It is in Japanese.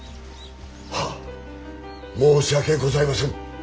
はっ申し訳ございません。